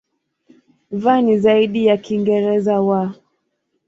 V ni zaidi ya Kiingereza "w".